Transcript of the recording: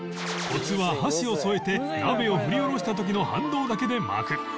コツは箸を添えて鍋を振り下ろした時の反動だけで巻く